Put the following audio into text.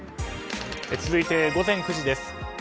続いて午前９時です。